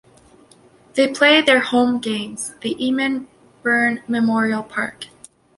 They play their home games The Eamon Byrne Memorial Park.